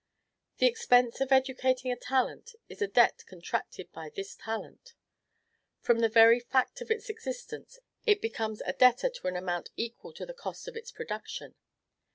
The expense of educating a talent is a debt contracted by this talent. From the very fact of its existence, it becomes a debtor to an amount equal to the cost of its production.